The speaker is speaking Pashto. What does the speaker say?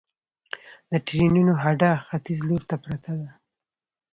د ټرېنونو هډه ختیځ لور ته پرته ده